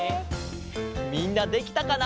みんなできたかな？